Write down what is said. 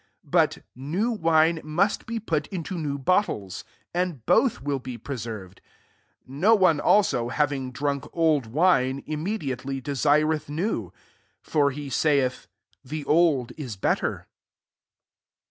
38 But new wine must be put into new bottles ; [and both will be preserved.] 39 No one also, having drunk old ntnney immediately desireth new : for he saith * The old is better/ " Ch.